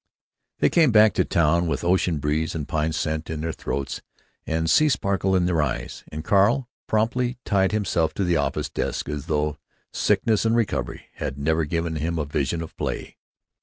They came back to town with ocean breeze and pine scent in their throats and sea sparkle in their eyes—and Carl promptly tied himself to the office desk as though sickness and recovery had never given him a vision of play.